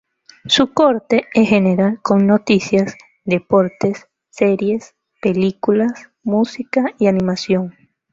Su corte es general con noticias, deportes, series, películas, música y animación.